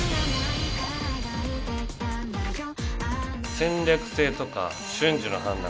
戦略性とか瞬時の判断。